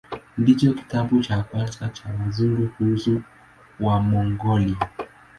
Ndicho kitabu cha kwanza cha Wazungu kuhusu Wamongolia.